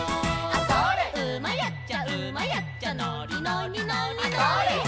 「うまいやっちゃうまいやっちゃのりのりのりのり」「」